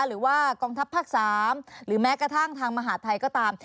หรือว่ากองทัพภักษ์สามหรือแม้กระทั่งทางมหาธัยก็ตาม